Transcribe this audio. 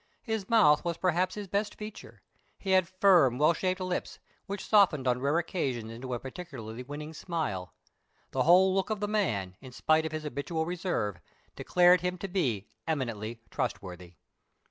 His mouth was perhaps his best feature; he had firm, well shaped lips, which softened on rare occasions into a particularly winning smile. The whole look of the man, in spite of his habitual reserve, declared him to be eminently trustworthy.